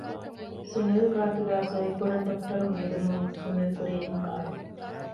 ސުނިލް ގާތުގައި ސޮއިކުރަން ޑޮކުޓަރުން އެދުމުން ސުނިލް ކުރީ އިންކާރު